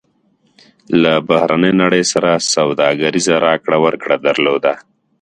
له بهرنۍ نړۍ سره سوداګریزه راکړه ورکړه درلوده.